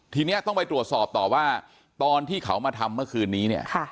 ทีนี้ต้องไปตรวจสอบต่อว่าตอนที่เขามาทำเมื่อคืนนี้เนี่ย